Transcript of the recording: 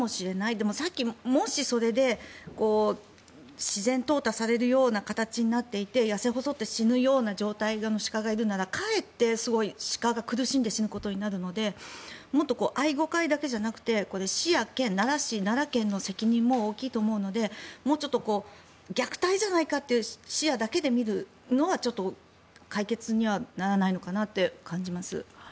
でも、もしそれで自然とう汰されるような形になっていて痩せ細って死ぬような状態の鹿がいるならかえって鹿が苦しんで死ぬことになるのでもっと愛護会だけじゃなくて市や県、奈良市、奈良県の責任も大きいと思うので虐待じゃないかという視野だけで見るのは解決にはならないのかなと感じます。